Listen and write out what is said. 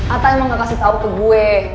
atau emang gak kasih tau ke gue